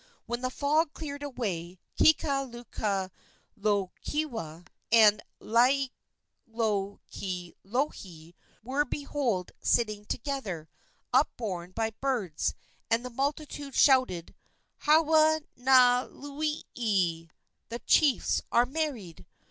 When the fog cleared away, Kekalukaluokewa and Laielohelohe were beheld sitting together, upborne by birds, and the multitude shouted, "Hoao na 'lii! e!" ("the chiefs are married!")